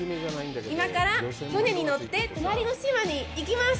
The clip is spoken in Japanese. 今から船に乗って隣の島に行きます。